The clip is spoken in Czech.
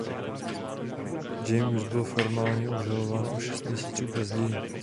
James byl formálně obžalován o šest měsíců později.